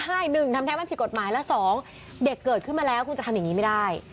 ใช่หนึ่งทำแท้ไม่ผิดกฎหมายแล้วสองเด็กเกิดขึ้นมาแล้วคุณจะทำอย่างนี้ไม่ได้